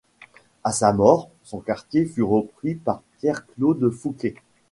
À sa mort, son quartier fut repris par Pierre-Claude Foucquet.